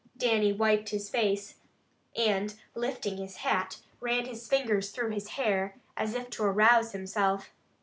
Dannie wiped his face, and lifting his hat, ran his fingers through his hair, as if to arouse himself.